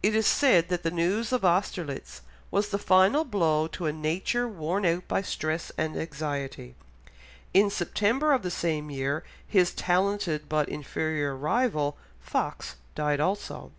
It is said that the news of Austerlitz was the final blow to a nature worn out by stress and anxiety. In September of the same year his talented but inferior rival, Fox, died also.